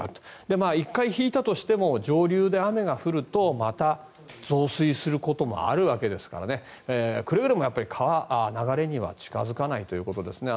で、１回引いたとしても上流で雨が降るとまた増水することもあるわけですからくれぐれも川、流れには近付かないということですね。